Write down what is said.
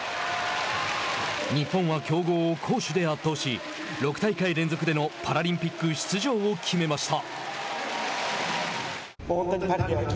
日本は強豪を攻守で圧倒し６大会連続でのパラリンピック出場を決めました。